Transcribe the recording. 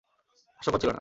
হাস্যকর ছিল না।